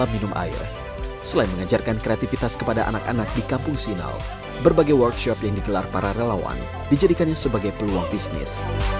selain mengajarkan kreativitas kepada anak anak di kampung sinaw berbagai workshop yang digelar para relawan dijadikannya sebagai peluang bisnis